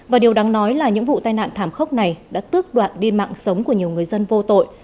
và điều đáng nói là những vụ tai nạn thảm khốc này đã tước đoạt đi mạng sống của nhiều người dân vô tội